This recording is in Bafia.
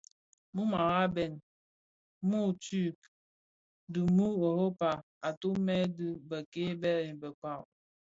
Muu araben, muturk dhi muu Europa atumè bi nke bè nkpag.